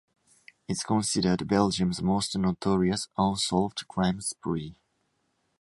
It's considered Belgium's most notorious unsolved crime spree.